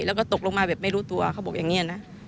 แล้วก็ตกลงมาแบบไม่รู้ตัวเขาบอกอย่างนี้นะ